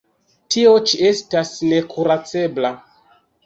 Tio ĉi estas nekuracebla.